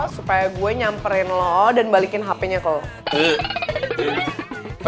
supaya gue nyamperin lo dan balikin handphonenya ke lo